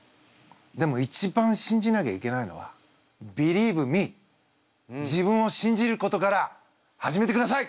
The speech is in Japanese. でも一番信じなきゃいけないのは自分を信じることから始めてください！